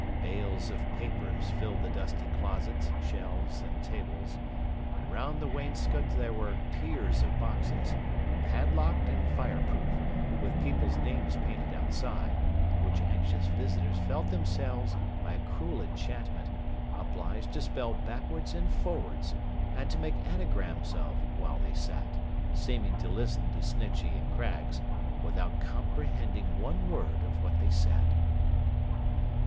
Bales of papers filled the dusty closets, shelves, and tables; and round the wainscot there were tiers of boxes, padlocked and fireproof, with people's names painted outside, which anxious visitors felt themselves, by a cruel enchantment, obliged to spell backwards and forwards, and to make anagrams of, while they sat, seeming to listen to Snitchey and Craggs, without comprehending one word of what they said.